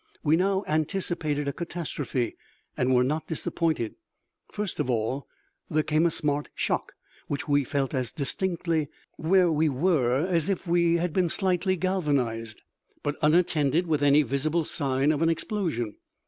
We now anticipated a catastrophe, and were not disappointed. First of all there came a smart shock (which we felt as distinctly where we were as if we had been slightly galvanized), but unattended with any visible signs of an explosion.